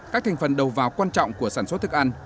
các thành phần đầu vào quan trọng của sản xuất thức ăn